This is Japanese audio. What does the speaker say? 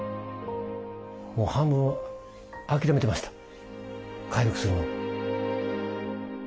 もう半分諦めてました回復するのを。